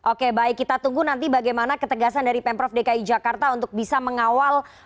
oke baik kita tunggu nanti bagaimana ketegasan dari pemprov dki jakarta untuk bisa mengawal